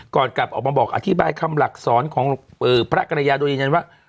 ก่อนกลับออกมาบอกอธิบายคำหลักสอนของพระกรยาโดยยืนยันว่า